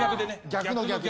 逆の逆。